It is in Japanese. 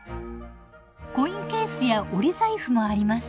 コインケースや折り財布もあります。